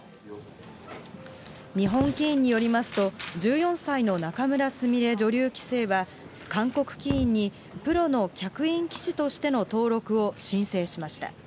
日本棋院によりますと、１４歳の仲邑菫女流棋聖は、韓国棋院にプロの客員棋士としての登録を申請しました。